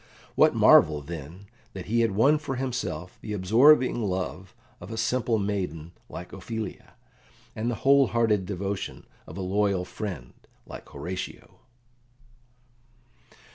What marvel, then, that he had won for himself the absorbing love of a simple maiden like Ophelia, and the whole hearted devotion of a loyal friend like Horatio?